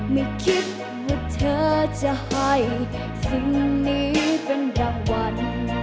ไม่คิดว่าเธอจะให้สิ่งนี้เป็นรางวัล